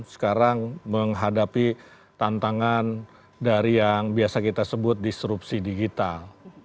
sekarang menghadapi tantangan dari yang biasa kita sebut disrupsi digital